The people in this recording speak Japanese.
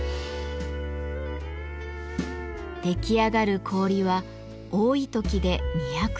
出来上がる氷は多い時で２００トン。